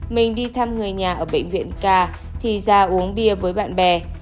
mình đi thăm người nhà ở bệnh viện ca thì ra uống bia với bạn bè